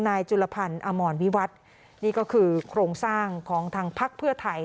จุลพันธ์อมรวิวัตรนี่ก็คือโครงสร้างของทางพักเพื่อไทย